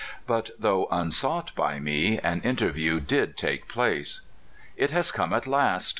But, though unsought by me, an interview did take place. "It has come at last!"